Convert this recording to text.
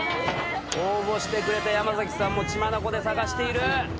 応募してくれた山崎さんも血眼で捜している！